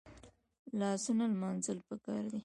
لاسونه لمانځل پکار دي